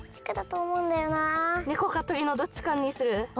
ねこかとりのどっちかにする？